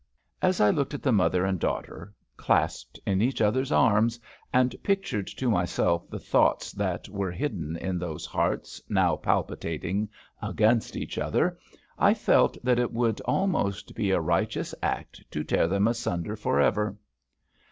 As I looked at the mother and daughter, clasped in each other's arms, and pictured to myself the thoughts that were hidden in those hearts now palpitating against each other, I felt that it would almost be a righteous act to tear them asunder for ever.